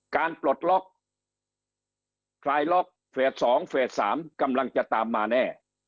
ปลดล็อกคลายล็อกเฟส๒เฟส๓กำลังจะตามมาแน่